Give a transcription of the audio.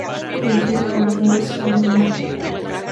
Dirigido por James Foley.